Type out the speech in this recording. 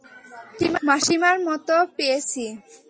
মাসিমার মত পেয়েছি।